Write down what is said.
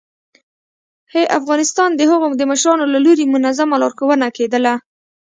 ه افغانستانه د هغو د مشرانو له لوري منظمه لارښوونه کېدله